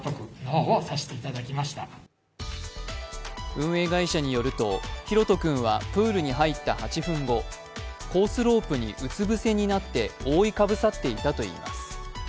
運営会社によると、大翔君はプールに入った８分後、コースロープにうつ伏せになって覆いかぶさっていたといいます。